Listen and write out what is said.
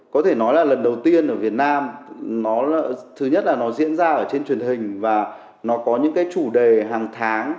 có thể nói là lần đầu tiên ở việt nam nó thứ nhất là nó diễn ra ở trên truyền hình và nó có những cái chủ đề hàng tháng